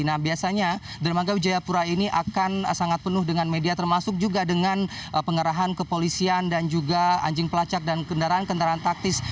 nah biasanya dermaga wijayapura ini akan sangat penuh dengan media termasuk juga dengan pengerahan kepolisian dan juga anjing pelacak dan kendaraan kendaraan taktis